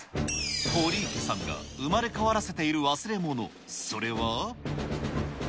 堀池さんが生まれ変わらせている忘れ物、それは。